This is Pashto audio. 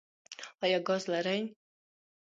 ایا ګاز لرئ؟